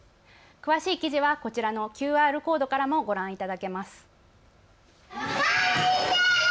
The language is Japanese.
詳しい記事はこちらのＱＲコードからもご覧いただけます。